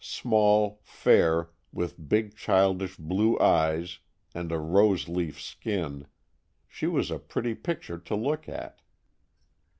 Small, fair, with big, childish blue eyes and a rose leaf skin, she was a pretty picture to look at.